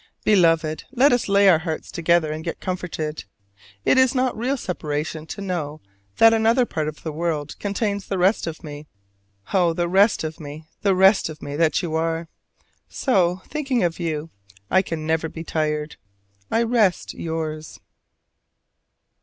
Beloved, let us lay our hearts together and get comforted. It is not real separation to know that another part of the world contains the rest of me. Oh, the rest of me, the rest of me that you are! So, thinking of you, I can never be tired. I rest yours.